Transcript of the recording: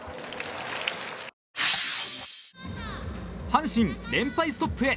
阪神、連敗ストップへ。